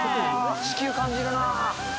地球感じるなぁ。